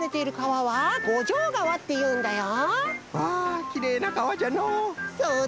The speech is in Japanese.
わあきれいな川じゃのう！